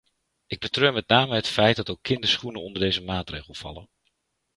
Ik betreur met name het feit dat ook kinderschoenen onder deze maatregel vallen.